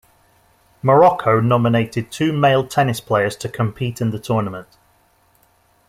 Morocco nominated two male tennis players to compete in the tournament.